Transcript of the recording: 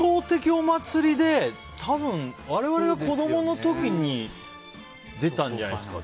お祭りで多分、我々が子供の時に出たんじゃないですか。